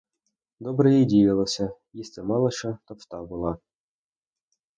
Добре їй діялося: їсти мала що, товста була.